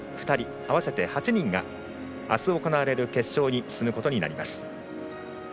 合わせて８人があす行われる決勝に進むことになります。